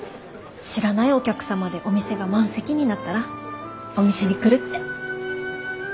知らないお客様でお店が満席になったらお店に来るって。